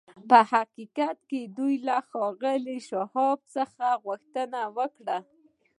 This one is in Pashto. په حقیقت کې دوی له ښاغلي شواب څخه غوښتنه کړې وه